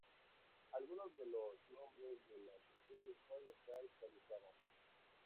Algunos de los nombres de las especies pueden estar caducas.